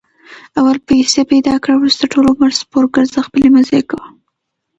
اول پیسې پیدا کړه، ورسته ټول عمر سپورګرځه خپلې مزې کوه.